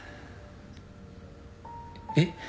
えっ？